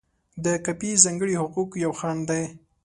د کاپي ځانګړي حقوق یو خنډ دی.